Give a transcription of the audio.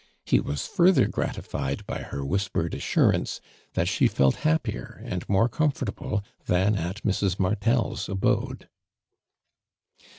He was further gratified by her whispered assurance that she felt happier and more comfortable than at Mrs. Martel' s abode.